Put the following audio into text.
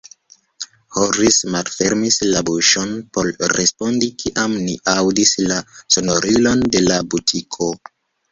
Harris malfermis la buŝon por respondi, kiam ni aŭdis la sonorilon de la butiko.